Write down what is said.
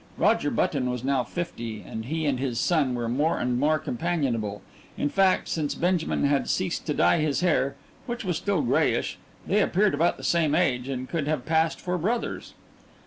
Roger Button was now fifty, and he and his son were more and more companionable in fact, since Benjamin had ceased to dye his hair (which was still grayish) they appeared about the same age, and could have passed for brothers.